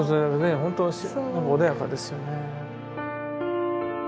本当に穏やかですよね。